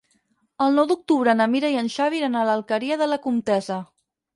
El nou d'octubre na Mira i en Xavi iran a l'Alqueria de la Comtessa.